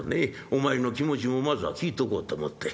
お前の気持ちもまずは聞いとこうと思って。